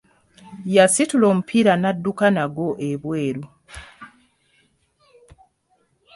Yasitula omupiira n'adduka nagwo ebweru.